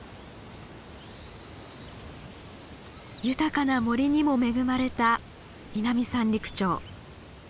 豊かな森にも恵まれた南三陸町。